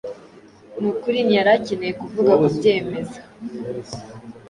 Nukuri ntiyari akeneye kuvuga kubyemeza